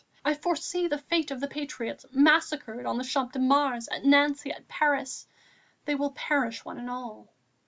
I foresee the fate of the patriots; massacred on the Champ de Mars, at Nancy, at Paris, they will perish one and all."